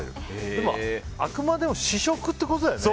でも、あくまでも試食ってことだよね。